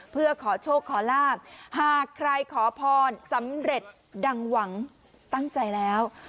เพื่อขอโชคขอลาบหากใครขอพรสำเร็จดังหวังตั้งใจแล้ว